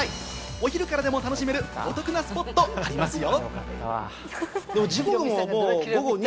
お昼からでも楽しめるお得なスポットもありますよ。